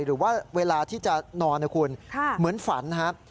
หรือว่าเวลาที่จะนอนนะคุณเหมือนฝันนะครับ